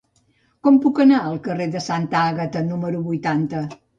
Com puc anar al carrer de Santa Àgata número vuitanta?